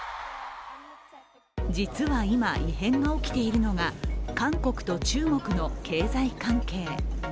実は今、異変が起きているのが韓国と中国の経済関係。